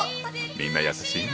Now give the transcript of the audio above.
みんな優しい。